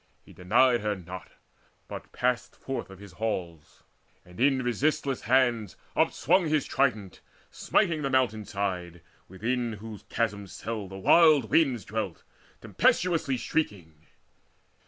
He denied her not, but passed Forth of his halls, and in resistless hands Upswung his trident, smiting the mountain side Within whose chasm cell the wild winds dwelt Tempestuously shrieking.